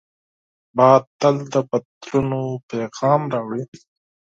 باد تل د بدلونو پیغام راوړي